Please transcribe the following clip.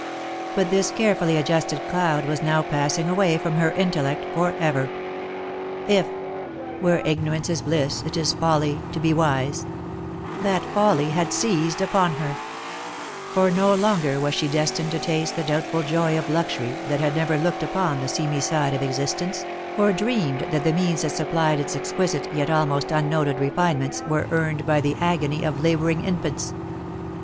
But this carefully adjusted cloud was now passing away from her intellect for ever. If " Where ignorance is bliss, it is folly to be wise," that folly had seized upon her ; for no longer was she destined to taste the doubtful joy of luxury that had never looked upon the seamy side of existence, or dreamed that the means that supplied its exquisite, yet almost unnoted refinements, were earned by the agony of labour ing infants.